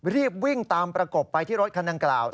รีบวิ่งตามประกบไปที่รถคันดังกล่าว